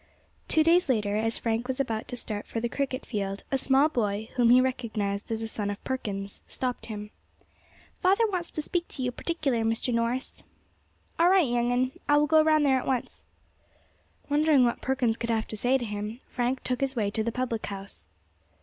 TWO days later, as Frank was about to start for the cricket field, a small boy, whom he recognised as a son of Perkins, stopped him. "Father wants to speak to you perticular, Mr. Norris." "All right, young un, I will go round there at once." Wondering what Perkins could have to say to him, Frank took his way to the public house.